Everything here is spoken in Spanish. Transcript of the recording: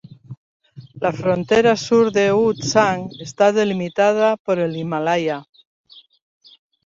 La frontera sur de Ü-Tsang está delimitada por el Himalaya.